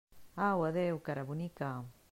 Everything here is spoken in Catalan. Au, adéu, cara bonica!